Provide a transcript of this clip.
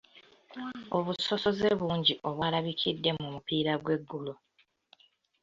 Obusosoze bungi obwalabikidde mu mupiira gw'eggulo.